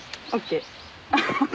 ＯＫ。